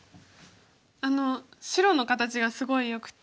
あの白の形がすごいよくて。